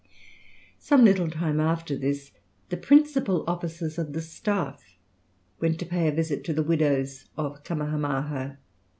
Some little time after this, the principal officers of the staff went to pay a visit to the widows of Kamahamaha.